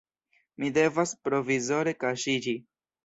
Mi devas provizore kaŝiĝi.